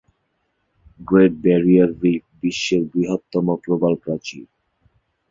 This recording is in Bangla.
গ্রেট ব্যারিয়ার রিফ বিশ্বের বৃহত্তম প্রবাল প্রাচীর।